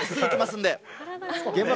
すぐ来ますんで。